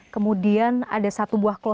kemudian ada satu buah keluarga